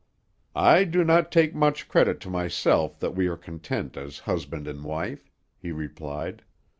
"I do not take much credit to myself that we are content as husband and wife," he replied.